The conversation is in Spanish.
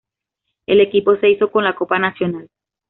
El equipo se hizo con la copa nacional.